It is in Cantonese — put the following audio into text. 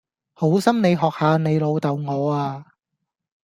好心你學下你老豆我呀